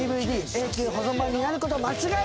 永久保存版になる事間違いなし！